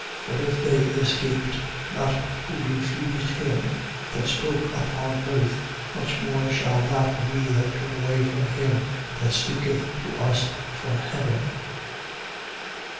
For if they escaped not who refused him that spoke upon earth, much more shall not we that turn away from him that speaketh to us from heaven.